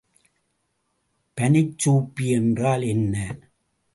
பனிச்சூப்பி என்றால் என்ன?